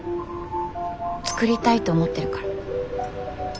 作りたいと思ってるから。